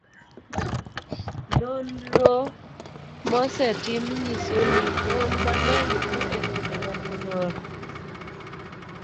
nonro mosetim nyiso ni mon mang'eny tho e kinde mag nyuol.